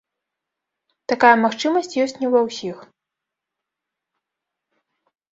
Такая магчымасць ёсць не ва ўсіх.